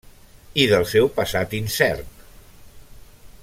I del seu passat incert.